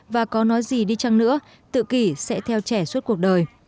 và có nói gì đi chăng nữa tự kỷ sẽ theo trẻ suốt cuộc đời